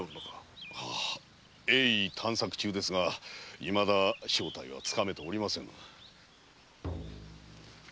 鋭意探索中ですが未だ正体は掴めておりませぬ。